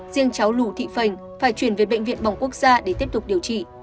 riêng cháu lù thị phành phải chuyển về bệnh viện bỏng quốc gia để tiếp tục điều trị